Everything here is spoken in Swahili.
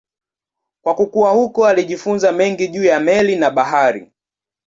Kwa kukua huko alijifunza mengi juu ya meli na bahari.